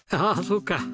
ああそうか。